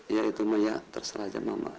ya itu mah ya terserah aja mah pak